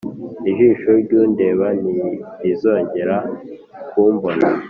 ijisho ry’undeba ntirizongera kumbona